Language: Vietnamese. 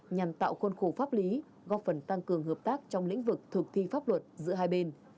nhằm tạo khuôn khổ pháp lý góp phần tăng cường hợp tác trong lĩnh vực thực thi pháp luật giữa hai bên